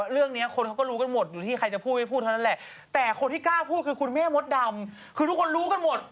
เรารู้ทั้งหมดทั้งประเทศรู้นี่นะ